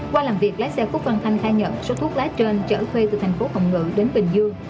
qua làm việc lái xe khúc văn thanh khai nhận số thuốc lá trên chở thuê từ thành phố hồng ngự đến bình dương